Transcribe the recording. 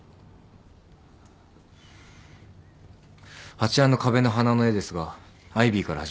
あちらの壁の花の絵ですがアイビーから始まって１６枚。